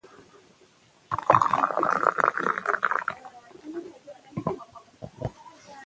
ده وویل چې پلار یې لادیني دی.